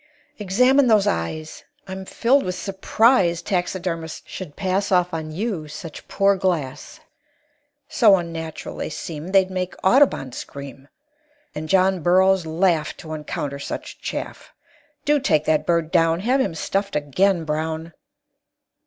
"Examine those eyes. I'm filled with surprise Taxidermists should pass Off on you such poor glass; So unnatural they seem They'd make Audubon scream, And John Burroughs laugh To encounter such chaff. Do take that bird down; Have him stuffed again, Brown!"